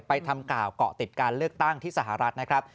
ทำกล่าวเกาะติดการเลือกตั้งที่สหรัฐนะครับ